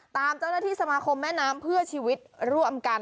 ตามเจ้าหน้าที่สมาคมแม่น้ำเพื่อชีวิตร่วมกัน